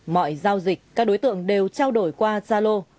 mọi giao dịch các đối tượng đều trao đổi qua gia lô